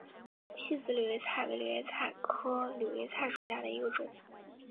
细籽柳叶菜为柳叶菜科柳叶菜属下的一个种。